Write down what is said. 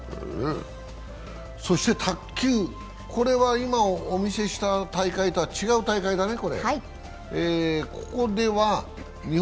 そして卓球、これは今お見せした大会とは違う大会だね。